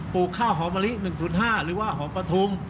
ลูกข้าวหอมะลิ๑๐๕หรือว่าหอมปะทุม